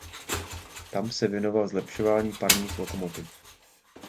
Tam se věnoval zlepšování parních lokomotiv.